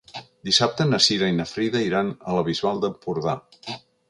Dissabte na Cira i na Frida iran a la Bisbal d'Empordà.